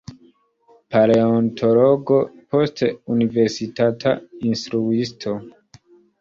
Paleontologo, poste universitata instruisto.